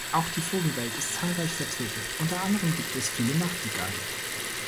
Auch die Vogelwelt ist zahlreich vertreten, unter anderem gibt es viele Nachtigallen.